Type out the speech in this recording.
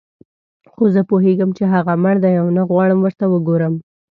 خو زه پوهېږم چې هغه مړ دی او نه غواړم ورته وګورم.